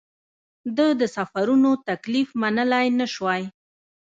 ده د سفرونو تکلیف منلای نه شوای.